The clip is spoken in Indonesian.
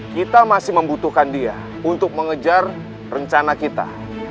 kita masih membutuhkan dia untuk mengejar rencana kita